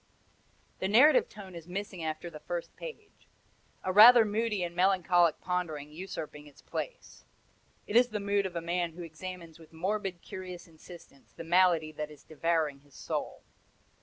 The narrative tone is missing after the first page, a rather moody and melancholic pondering usurping its place. It is the mood of a man who examines with morbid, curious insistence the malady that is devouring his soul.